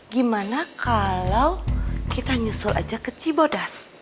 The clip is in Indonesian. gimana kalau kita nyusul aja ke cibodas